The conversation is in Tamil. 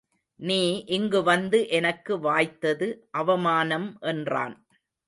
நீ இங்கு வந்து எனக்கு வாய்த்தது அவமானம் என்றான்.